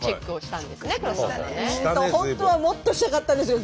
本当はもっとしたかったんですよ。